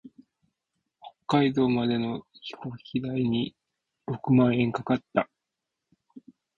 北海道までの飛行機代に六万円かかった。